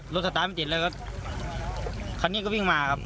รถถ้าตายไม่ติดเลยคันนี้ก็วิ่งมาครับ